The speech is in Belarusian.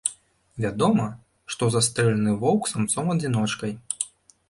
Вядома, што застрэлены воўк самцом-адзіночкай.